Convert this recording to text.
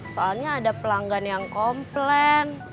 soalnya ada pelanggan yang komplain